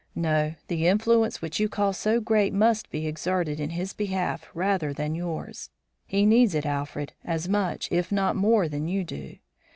No; the influence which you call so great must be exerted in his behalf rather than yours. He needs it, Alfred, as much, if not more than you do.